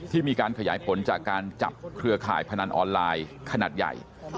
มีการขยายผลจากการจับเครือข่ายพนันออนไลน์ขนาดใหญ่